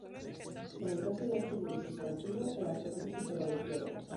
En el caso de adjetivo y sustantivo, el adjetivo siempre va a la izquierda.